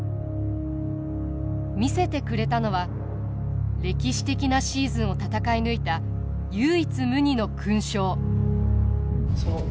見せてくれたのは歴史的なシーズンを戦い抜いた唯一無二の勲章。